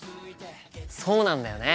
そうなんだよね。